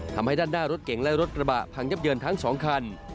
ทำให้ด้านหน้ารถเก่งและรถกระบะพังยับเยินทั้ง๒คัน